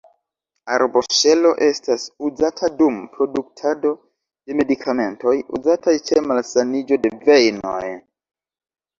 Arboŝelo estas uzata dum produktado de medikamentoj, uzataj ĉe malsaniĝo de vejnoj.